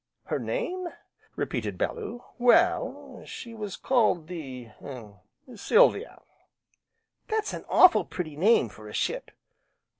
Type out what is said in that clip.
"Her name?" repeated Bellew, "well, she was called the er 'Silvia.'" "That's an awful' pretty name for a ship."